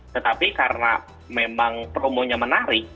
tetapi karena memang promonya menarik